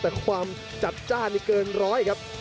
แต่ความจัดจ้านนี่เกินร้อยครับ